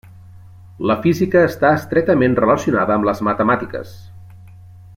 La física està estretament relacionada amb les matemàtiques.